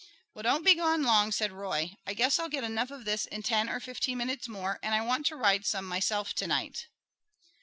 "Well, don't be gone long," said Roy. "I guess I'll get enough of this in ten or fifteen minutes more, and I want to ride some myself to night."